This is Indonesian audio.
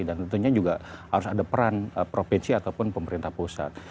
dan tentunya juga harus ada peran provinsi ataupun pemerintah pusat